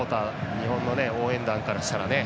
日本の応援団からしたらね